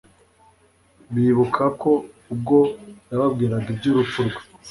Bibuka ko ubwo yababwiraga iby'urupfu rwe,